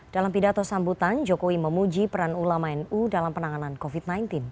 dalam pidato sambutan jokowi memuji peran ulama nu dalam penanganan covid sembilan belas